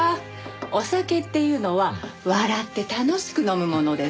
お酒っていうのは笑って楽しく飲むものですからね。